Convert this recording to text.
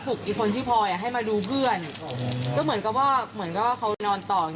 อีกคนที่พลอยอ่ะให้มาดูเพื่อนก็เหมือนกับว่าเหมือนกับว่าเขานอนต่อ